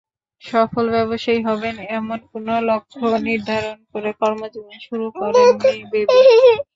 সফল ব্যবসায়ী হবেন, এমন কোনো লক্ষ্য নির্ধারণ করে কর্মজীবন শুরু করেননি বেবি।